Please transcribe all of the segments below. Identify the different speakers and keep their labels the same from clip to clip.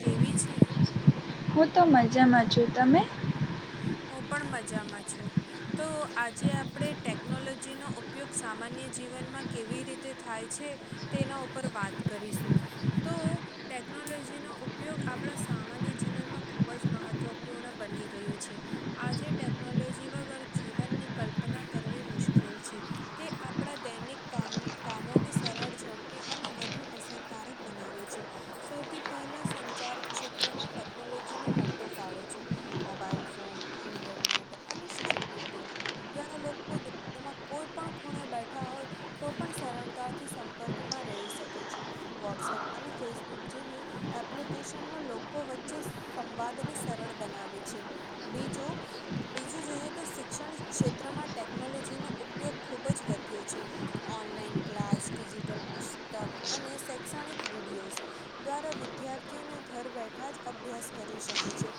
Speaker 1: કેવી છે?
Speaker 2: હું તો મજામાં છું. તમે?
Speaker 1: હું પણ મજામાં છું. તો આજે આપણે ટેકનોલોજીનો ઉપયોગ સામાન્ય જીવનમાં કેવી રીતે થાય છે. તેના ઉપર વાત કરીશું? તો ટેકનોલોજીનો ઉપયોગ આપણા સામાન્ય જીવનમાં ખૂબ જ મહત્ત્વપૂર્ણ બની ગયું છે. આજે ટેકનોલોજી વગર જીવનની કલ્પના કરવી મુશ્કેલ છે. તે આપણા દૈનિક કામ, કામોને સરળ ઝડપી અને વધુ અસરકારક બનાવે છે. સૌથી પહેલા સંચાર ક્ષેત્રમાં ટેકનોલોજીનોો મોટો ફાળો છે. મોબાઈલ ફોન ઇન્ટરનેટ અને સોશિયલ મીડિયા ઘણા લોકો દુનિયામાં કોઈ પણ ખૂણે બેઠા હોય. તો પણ સરળતાથી સંપર્કમાં રહી શકે છે. વોટ્સએપ અને ફેસબુક જેવી એપ્લિકેશન લોકો વચ્ચે સંવાદને સરળ બનાવે છે. બીજું- બીજું જોઈએ તો શિક્ષણ ક્ષેત્રમાં ટેકનોલોજીનો ઉપયોગ ખૂબ જ વધ્યો છે. ઓનલાઈન ક્લાસ, ડિજિટલ પુસ્તક અને શૈક્ષણિક વિડીયો દ્વારા વિદ્યાર્થીઓને ઘર બેઠા જ અભ્યાસ કરી શકે છે.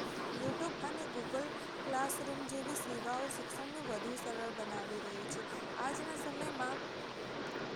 Speaker 1: યુટ્યુબ અને ગુગ ગૂગલ ક્લાસરૂમ જેવી સેવાઓ શિક્ષણને વધુ સરળ બનાવી રહી છે. આજના સમયમાં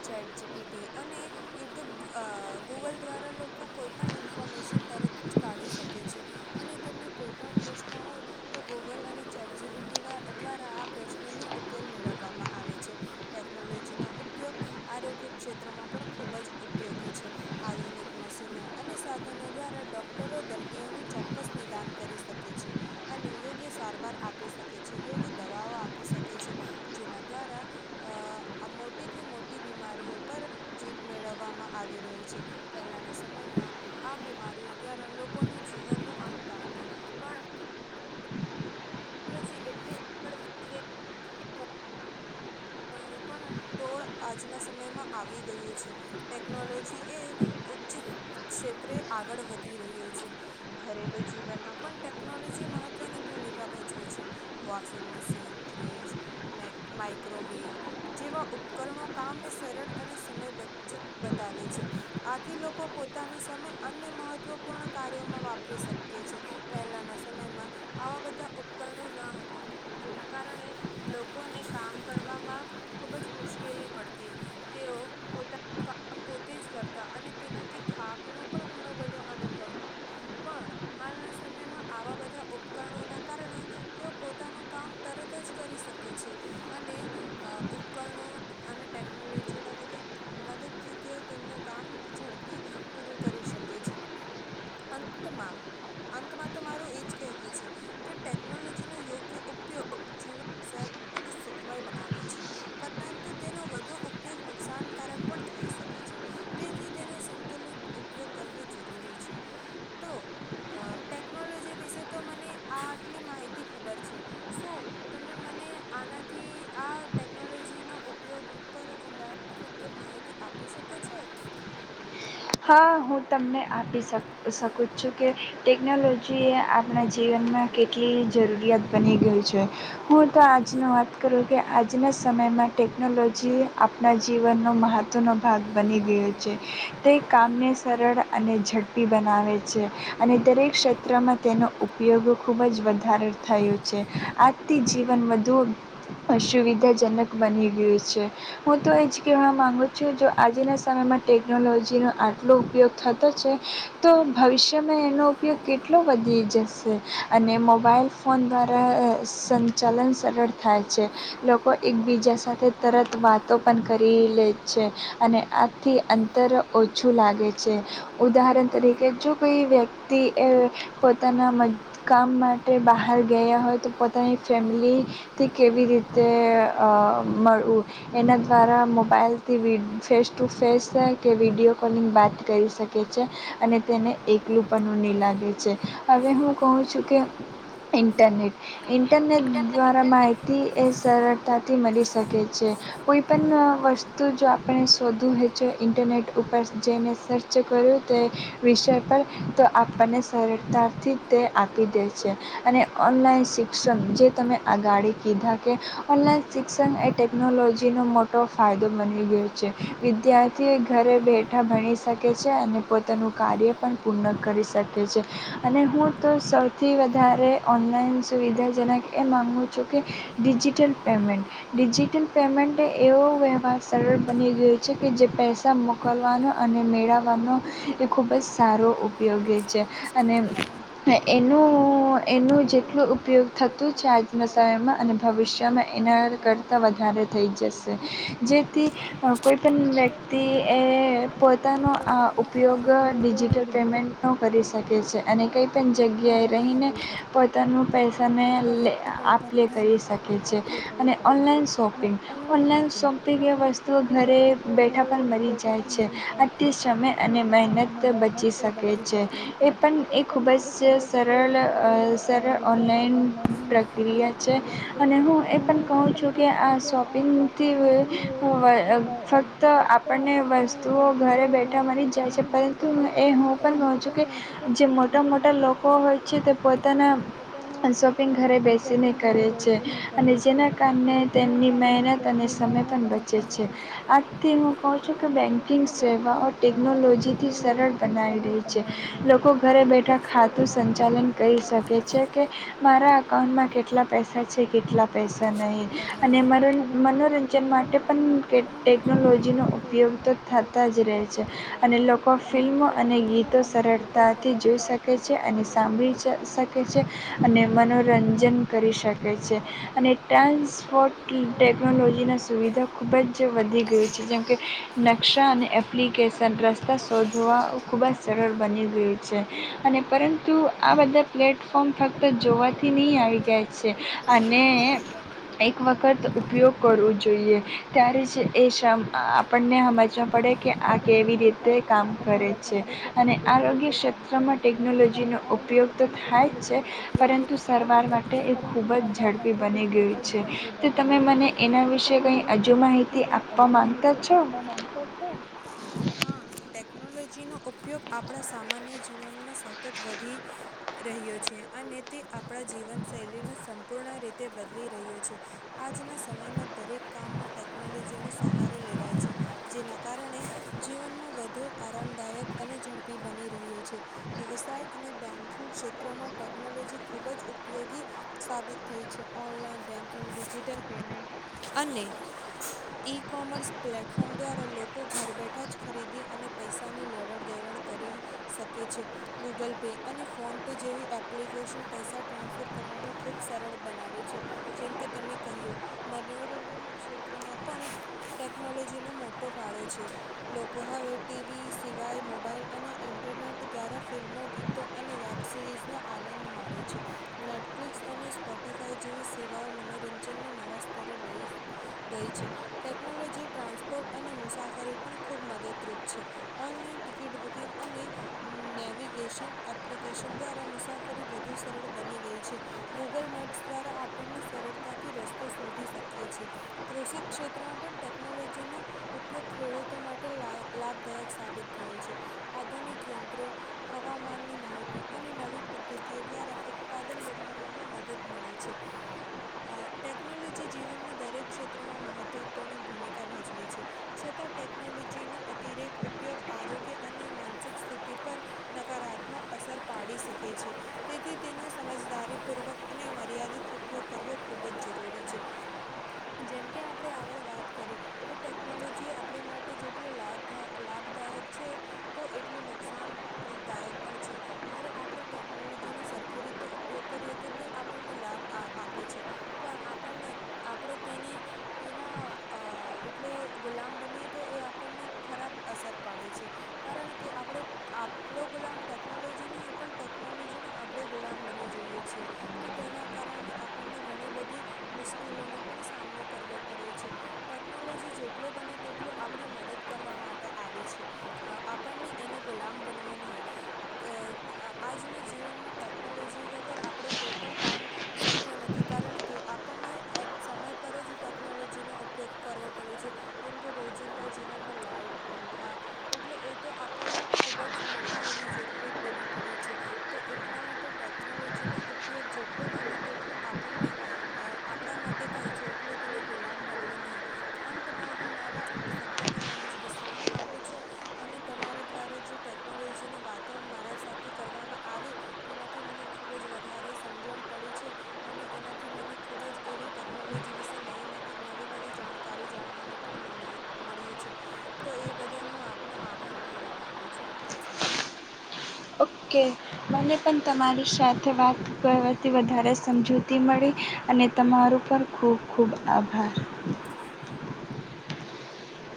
Speaker 1: ચેટ જીપીટી અને યુટ્યુબ ગૂગલ દ્વારા લોકો કોઈ પણ ઇન્ફોર્મેશન તરત જ કાઢી શકે છે. અને તેમને કોઈ પણ પ્રશ્ન હોય. તો ગૂગલ અને ચેટ જીપીટી દ્વારા આ પ્રશ્નોનો ઉકેલ મેળવવામાં આવે છે. ટેકનોલોજીનો ઉપયોગ આરોગ્ય ક્ષેત્રમાં પણ ખૂબ જ ઉપયોગી છે. આધુનિક મશીનો અને સાધનો દ્વારા ડોક્ટરો દર્દીઓનું ચોક્કસ નિદાન કરી શકે છે. અને યોગ્ય સારવાર આપી શકે છે, યોગ્ય દવાઓ આપી શકે છે. જેના દ્વારા અ આ મોટી થી મોટી બીમારીઓ પર જીત મેળવવામાં આવી રહી છે. પહેલાના સમયમાં આ બીમારીઓ દ્વારા લોકોનું જીવનનું અંત આવતો, પણ ટેક્નોલોજી એટલી આગળ વધી ગઈ. નું પણ તોડ આજના સમયમાં આવી ગયું છે. ટેકનોલોજી એ ઉચ્ચ ક્ષેત્રે આગળ વધી રહ્યું છે. ઘરેલુ જીવનમાં પણ ટેકનોલોજી મહત્વની ભૂમિકા કા ભજવે છે. વોશિંગ મશીન, ફ્રીઝ, માઇક્રોવેવ જેવા ઉપકરણો કામને સરળ અને સમય બચત બતાવે છે. આથી લોકો પોતાનો સમય અન્ય મહત્વપૂર્ણ કાર્યોમાં વાપરી શકે છે. પહેલાના સમયમાં આવા બધા ઉપકરણો ન હતા. જેના કારણે લોકોને કામ કરવામાં ખૂબ જ મુશ્કેલી પડતી. તેઓ પોતાનું આમ પોતે જ કરતા અને તેનાથી થાકનો પણ ઘણો બધો અનુભવ પણ હાલના સમયમાં આવા બધા ઉપકરણોના કારણે તેઓ પોતાનું કામ તરત જ કરી શકે છે અને અ ઉપકરણો અને ટેકનોલોજીના મદદથી તે તેમનો કામ ઝડપી પૂરું કરી શકે છે. અંતમાં, અંતમાં તો માર એજ કહેવું છે? કે ટેકનોલોજીનો યોગ્ય ઉપયોગ જીવન સરળ અને સુખમય બનાવે છે. પરંતુ તેનો વધુ ઉપયોગ નુકસાનકારક પણ થઈ શકે છે. તેથી તેનો સંતુલિત ઉપયોગ કરવો જરૂરી છે. તો ટેકનોલોજી વિશે તો મને આ આટલી માહિતી ખબર છે. સુું તમે મને આનાથી આ ટેકનોલોજી ના ઉપયોગ, ઉપર ઊંડા ત પૂર્વક માહિતી આપી શકો છો
Speaker 2: હા, હું તમને આપી શકું શકું છું, કે ટેકનોલોજી એ આપણા જીવનમાં કેટલી જરૂરિયાત બની ગઈ છે હું તો આજની વાત કરું છ કે આજના સમયમાં ટેકનોલોજી આપણા જીવનનો મહત્ત્વનો ભાગ બની ગયો છે. જે કામને સરળ અને ઝડપી બનાવે છે. અને દરેક ક્ષેત્રમાં તેનો ઉપયોગ ખૂબ જ વધારે થયો છે. આજથી જીવન વધુ અસુવિધાજનક બની ગયું છે. હું તો એ જ કવા માંગુ છું જો આજના સમયમાં ટેકનોલોજી. જેનો આટલો ઉપયોગ થતો છે તો ભવિષ્યમાં એનો ઉપયોગ કેટલો વધી જશે અને મોબાઈલ ફોન દ્વારા સંચાલન સરળ થાય છે. લોકો એકબીજા સાથે તરત વાતો પણ કરી લે છે અને આથી અંતર ઓછું લાગે છે. ઉદાહરણ તરીકે જો કોઈ વ્યક્તિ પોતાના કામ માટે બહાર ગયા હોય તો પોતાની ફેમિલી તે કેવી રીતે મળું એના દ્વારા મોબાઈલથી વિીડ ફેસ ટુ ફેસ. કે વિડીયો કોલિંગ બાત કરી શકે છે અને તેને એકલું પનું ની લાગે છે હવે હું કહું છું કે ઇન્ટરનેટ ઇન્ટરનેટ દ્વારા માહિતી એ સરળતાથી મળી શકે છે કોઈ પણ વસ્તુ જો આપણે શોધું હોય જો ઈ ઇન્ટરનેટ ઉપર જેને સર્ચ કર્યું તે વિષય પર તો આપણને સરળતાથી તે આપી દે છે અને ઓનલાઈન શિક્ષણ જે તમે આગાડી કીધા કે ઓનલાઈન શિક્ષણ એ ટેકનોલોજીનો મોટો ફાયદો બની ગયો છે વિદ્યા તે ઘરે બેઠા ભણી શકે છે અને પોતાનું કાર્ય પણ પૂર્ણ કરી શકે છે અને હું તો સૌથી વધારે ઓનલાઈન સુવિધા જેના કે એ માગું છું કે ડિજિટલ પેમેન્ટ ડિજિટલ પેમેન્ટ એવો વ્યવહાર સરળ બની ગયો છે કે જે પૈસા મોકલવાનો અને મેળવવાનો એ ખૂબ જ સારો ઉપ ઉપયોગી છે અને એનો એનું જેટલું ઉપયોગ થતું છે આ સમયમાં અને ભવિષ્યમાં એના કરતાં વધારે થઈ જશે જેથી કોઈપણ વ્યક્તિ એ પોતાનો આ ઉપયોગ ડિજિટલ પેમેન્ટ કરી શકે છે અને કઈ પણ જગ્યાએ રહીને પોતાનું પ તને લે આપલે કરી શકે છે અને ઓનલાઈન શોપિંગ ઓનલાઇન શોપિંગ વસ્તુઓ ઘરે બેઠા મરી જાય છે અતિ સમય અને મહેનત બચી શકે છે એ પણ એ ખૂબ જ સરળ સરળ ઓનલાઈન પ્રક્રિયા છે અને હું એ પણ કહું છું કે આ શોપિંગ તે ફક્ત આપ આપણને વસ્તુઓ ઘરે બેઠા મરી જ જાય છે પરંતુ એ હું પણ કહું છું કે જે મોટા મોટા લોકો હોય છે તે પોતાના સોં શપિંગ ઘરે બેસીને કરે છે અને જેના કારણે તેમની મહેનત અને સમય પણ બચે ચે છે આજથી હું કોલ બેંકિંગ સેવાઓ ટેકનોલોજીથી સરળ બનાવી રહી છે લોકો ઘરે બેઠા ખાતું સંચાલન કરી શકે છે કે મારા અકાઉન્ટમાં કેટલા પૈસા છે કેટલા પૈસા નહીં અને મનોરંજન માટે પણ કે ટેકનોલોજીનો ઉપ પયોગ તો થતા જ રહે છે અને લોકો ફિલ્મો અને ગીતો સરળતાથી જોઈ શકે સાંભળી શકે છે અને મનોરંજન કરી શકે છે અને ટ્રાન્સપોટ ટેકનોલોજીના સુવિધા ખૂબ જ વધી ગયુ છે જેમ કે નકશા અને એપ્લિકેશન રસ્તા શોધવા ખૂબ જ જરૂર બની ગયું છે અને પરં તો આ બધા પ્લેટફોર્મ ફક્ત જોવાથી નહીં આવી જાય છે અને એક વખત ઉપયોગ કરવો જોઈએ ત્યારે જ એ શમ આપણને સમજવા પડે કે આ કેવી રીતે કામ કરે છે અને આરોગ્ય ક્ષેત્રમાં ટેકનોલોજીનો ઉપયોગ તો થાય જ છે પરંતુ સારવાર માટે એ ખૂબ જ ઝડપી બની ગયું છે તો તમે મને એના વિશે કંઈ હજુ માહિતી આપવા માંગતા
Speaker 1: આપતા માંનતા છો હા ટેકનોલોજીનો ઉપયોગ આપડા સામાન્ય જીવનમાં સતત વધી રહ્યો છે અને તે આપડા જીવનશૈલીનો સંપૂર્ણ રીતે બદલી રહ્યો છે આજના સમયમાં દરેક કામમાં ટેકનોલોજીનોો સહારો લેવાય છે જેના કારણે જીવનમાં વધુ આરામદાયક અને ઝડપી બની રહ્યો છે વ્યવસાય અને બેંકિંગ ક્ષેત્રોમાં ટેકનોલોજી ખૂબ જ ઉપયોગી સાબિત થઈ છે ઓનલાઈન બેન્કિંગ ડિજિટલ પેમેન્ટ અને કોમર્સ પ્લેટફોર્મ દ્વારા લોકો ઘર બેઠા જ ખરીદી અને પૈસાની લેવડ દેવડ કરી શકે છે ગૂગલ પે અને ફોન પે જેવી એપ્લિકેશન પૈસા ટ્રાન્સફર કરવાનું ખૂબ સરળ બનાવે છે જેમ કે તમે કહ્યું મનોરંજન ક્ષેત્રમાં પણ ટેકનોલોજી નો મોટો ફાળો છે લોકો હવે ટીવી સિવાય મોબાઈલ અને ઇન્ટરનેટ દ્વારા ફિલ્મો ગીતો અને વેબ સિરીઝનો આનંદ માણે છે. નેટફ્લિક્સ અને સ્પોટીફાય જેવી સેવાઓ મનોરંજનને નવા સ્તરે લઈ ગઈ છે ટેકનોલોજી ટ્રાન્સપોર્ટ અને મુસાફરી પણ ખૂબ મદદરૂપ છે. ઓનલાઈન ટિકિટ બુકિંગ અને નેવિગેશન એપ્લિકેશન દ્વારા મુસાફરી વધુ સરળ બની ગઈ છે. ગૂગલ મેપ્સ દ્વારા આપણને સરળતાથી રસ્તો શોધી શકીએ છીએ કૃષિ ક્ષેત્ર ત્રમાં પણ ટેકનોલોજીનો ઉપયોગ ખેડૂતો માટે લા લાભદાયક સાબિત થયો છે આધુનિક યંત્રો હવામાનની માહિતી અને નવી પદ્ધતિઓ દ્વારા ઉત્પાદન વધારવામાં મદદ મળે છે. અ ટેકનોલોજી જીવનમાં દરેક ક્ષેત્રમાં મહત્વપૂર્ણ ભૂમિકા ભજવે છે. છતાં ટેકનોલોજીનો અતિરેક ઉપયોગ આરોગ્ય અને માનસિક સ્થિતિ પર નકારાત્મક અસર પાડી શકે છે. તેથી તેનો સમજદારી પૂર્વક અને મર્યાદિત ઉપયોગ કરવો ખૂબ જ જરૂરી છે. જેમ કે આપડે આગળ વાત કરી કે ટેકનોલોજી આપણી માટે જેટલી લાભદ લાભદાયક છે તો એટલી નુકસાનદાયક પણ છે. જયારે આપણે ટેકનોલોજીનો સરખી રીતે ઉપયોગ કરીએ તો તે આપણને લાભ આપે છે. પણ આપણને આપણે તેને તેના અ એટલે ગુલામ બનીએ તો એ આપણને ખરાબ અસર પાડે છે. કારણ કે આપણે આપણો ગુલામ ટેકનોલોજી નહી પણ ટેકનોલોજી નો આપણે ગુલામ બની જઈએ છીએ. તો તેના કારણે આપણને ઘણી બધી મુશ્કેલોનો પણ સામનો કરવો પડે છે. ટેકનોલોજી જેટલું બને તેટલું આપણી મદદ કરવા માટે આવી છે. અ આપણને એનો ગુલામ બનવો નહી. અ આજના જીવનમાં ટેકનોલોજી વગર આપણે કોઈપણ કામ શક્ય નથી કારણ કે આપણને સમય પર જ ટેકનોલોજીનો ઉપયોગ કરવો પડે છે જેમકે રોજિંદા જીવનમાં લાઇટ પંખા એટલે એ તો આપણને ખૂબ જ મોટી એવી જરૂરત બની પડી છે. તો એટલા માટે ટેકનોલોજી નો ઉપયોગ જેટલું બને તેટલું આપણને અ આપણા માટે થાય છે એટલે તેનો ગુલામ બનવુ નહી અંતમાં હું મારા શબ્દને અહીં જ વિશ્રામ આપુ છુ. અને તમારા દ્વારા જે ટેકનોલોજી ની વાતો મારા સાથે કરવામાં આવી તેનાથી મને ખૂબ જ વધારે સમજણ પડી છે. અને એનાથી મને ખુબ જ એવી ટેકનોલોજી વિશે નવી નવી નવી નવી જાણકારી જાણવાનો પણ મળ્યો મળ્યું છે. તો એ બદલ હું આપનો આભાર કહેવા માંગુ છું આપનો આભાર
Speaker 2: ઓકે. મને પણ તમારી સાથે વાત કરવાથી વધારે સમજૂતી મળી અને તમારું પણ ખૂબ ખૂબ આભાર.